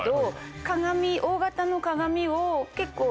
大型の鏡を結構。